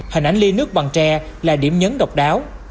hình ảnh ly nước bằng tre là điểm nhấn độc đáo